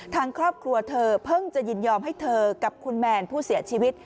ทางครอบครัวเธอเพิ่งจะยินยอมให้เธอกับคุณแมนผู้เสียชีวิต